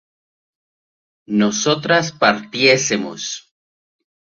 nosotras partiésemos